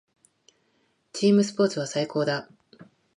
チームスポーツは最高だ。